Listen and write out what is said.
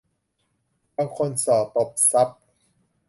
บางคนส่อตบทรัพย์